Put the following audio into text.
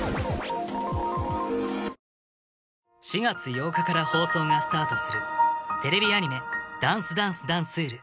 ４月８日から放送がスタートするテレビアニメ